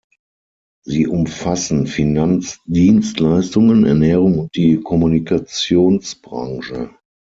Sie umfassen Finanzdienstleistungen, Ernährung und die Kommunikationsbranche.